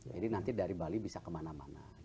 jadi nanti dari bali bisa kemana mana